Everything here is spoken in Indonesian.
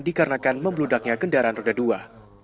dikarenakan membludaknya kendaraan roda dua